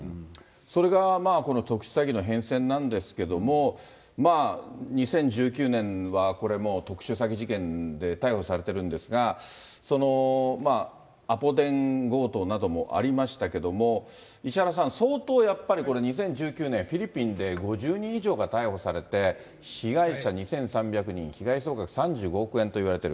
それからこの特殊詐欺の変遷なんですけれども、まあ、２０１９年はこれもう、特殊詐欺事件で逮捕されてるんですが、そのアポ電強盗などもありましたけれども、石原さん、相当やっぱりこれ２０１９年、フィリピンで５０人以上が逮捕されて、被害者２３００人、被害総額３５億円といわれている。